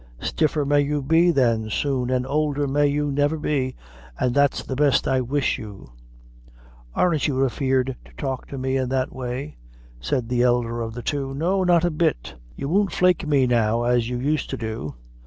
"Stiffer may you be, then, soon, an' oulder may you never be, an' that's the best I wish you!" "Aren't you afeard to talk to me in that way?" said the elder of the two. "No not a bit. You won't flake me now as you used to do.